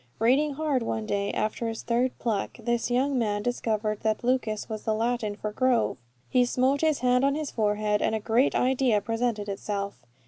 Reading hard one day, after his third pluck, this young man discovered that lucus was the Latin for grove. He smote his hand on his forehead, and a great idea presented itself.